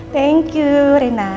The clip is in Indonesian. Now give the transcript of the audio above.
thank you rena